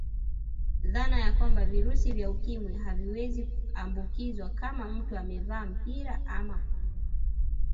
Dhana ya kwamba virusi vya ukimwi haviwezi ambukizwa kama mtu amevaa mpira ama kondomu